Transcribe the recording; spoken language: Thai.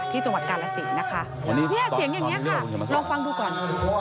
จังหวัดกาลสินนะคะเนี่ยเสียงอย่างนี้ค่ะลองฟังดูก่อน